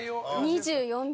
２４秒。